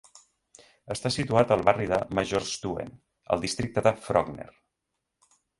Està situat al barri de Majorstuen, al districte de Frogner.